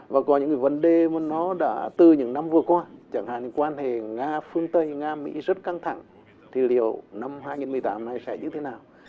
và có những vấn đề mà nó đã từ những năm vừa qua chẳng hạn thì quan hệ nga phương tây nga mỹ rất căng thẳng thì liệu năm hai nghìn một mươi tám này sẽ như thế nào